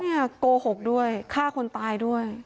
โกหกด้วยฆ่าคนตายด้วย